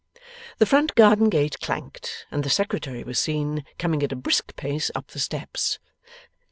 The front garden gate clanked, and the Secretary was seen coming at a brisk pace up the steps.